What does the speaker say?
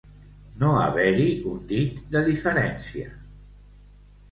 No haver-hi un dit de diferència.